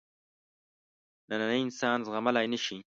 نننی انسان زغملای نه شي.